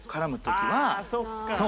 そう！